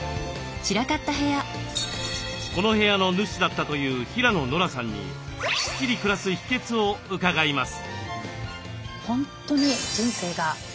この部屋の主だったという平野ノラさんにスッキリ暮らす秘けつを伺います。